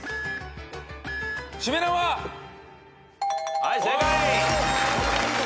はい正解！